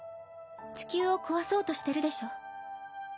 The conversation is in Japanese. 地球を壊そうとしてるでしょ。